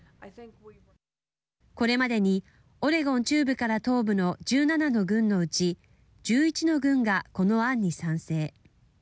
これまでにオレゴン中部から東部の１７の郡のうち１１の郡がこの案に賛成。